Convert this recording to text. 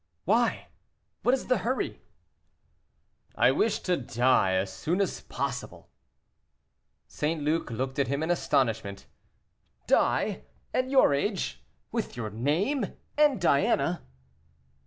'" "Why! what is the hurry?" "I wish to die as soon as possible." St. Luc looked at him in astonishment. "Die! at your age, with your name, and Diana!"